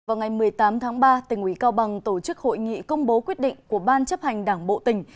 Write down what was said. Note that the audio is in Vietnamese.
vào ngày một mươi tám tháng ba tỉnh ủy cao bằng tổ chức hội nghị công bố quyết định của ban chấp hành đảng bộ tỉnh